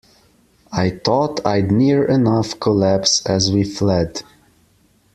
I thought I'd near enough collapse as we fled.